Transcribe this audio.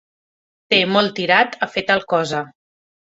Té molt tirat a fer tal cosa.